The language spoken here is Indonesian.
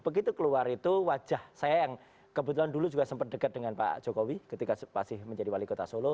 begitu keluar itu wajah saya yang kebetulan dulu juga sempat dekat dengan pak jokowi ketika masih menjadi wali kota solo